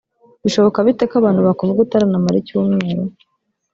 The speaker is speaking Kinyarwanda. bishoboka bite ko abantu bakuvuga utaranamara icyumweru